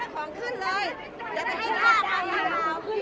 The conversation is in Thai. ต้องใจร่วม